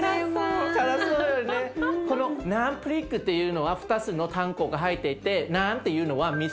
このナムプリックっていうのは２つの単語が入っていてナムっていうのは水。